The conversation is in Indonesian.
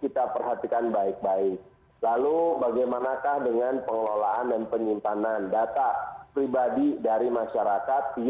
kita saja sama sama untuk catat